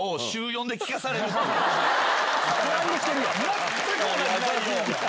全く同じ内容！